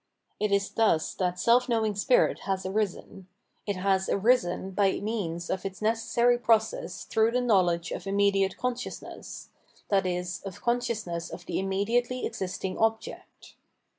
It is thus that seif knowing spirit has arisen ; it has arisen by means of its necessary process through the knowledge of immediate consciousness, i.e. of consciousness of the immediately existing ob ject.